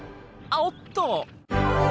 あおっと！